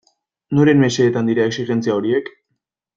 Noren mesedetan dira exijentzia horiek?